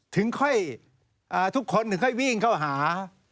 ถึงค่อยทุกคนถึงค่อยวิ่งเข้าหา